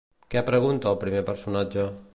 Què pregunta el primer personatge?